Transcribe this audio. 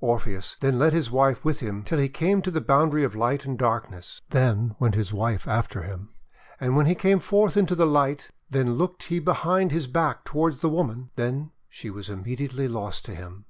Orpheus then led his wife with him till he came to the boundary of light and darkness. Then went his wife after him. When he came forth into the light then looked he behind his back toward the woman. Hen was she immediately lost to him!